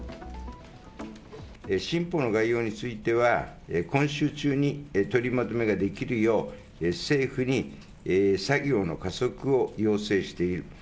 新法の概要については、今週中に取りまとめができるよう、政府に作業の加速を要請している。